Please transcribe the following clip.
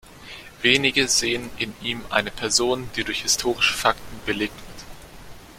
Wenige sehen in ihm eine Person, die durch historische Fakten belegt wird.